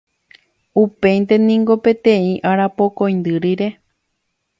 Upéinte niko peteĩ arapokõindy rire